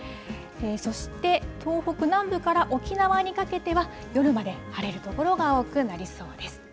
そして東北南部から沖縄にかけては、夜まで晴れる所が多くなりそうです。